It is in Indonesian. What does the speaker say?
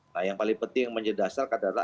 nah yang paling penting menjadi dasar adalah